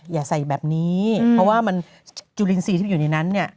อย่าใส่แบบนี้เพราะว่ามันจุลินทรีย์ที่มันอยู่ในนั้นเนี่ย